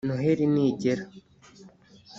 Noheli nigera